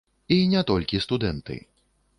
І не толькі студэнты.